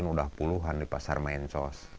mungkin udah puluhan di pasar mencos